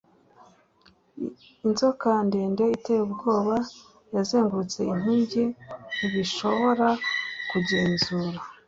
inzoka ndende iteye ubwoba yazengurutse inkingi. ntibishobora kugenzura